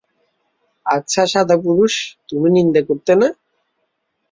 আচ্ছা সাধুপুরুষ, তুমি নিন্দে করতে না?